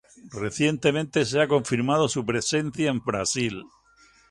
Recientemente se ha confirmado su presencia en Brasil.